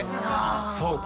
そうか。